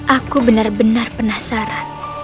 aku benar benar penasaran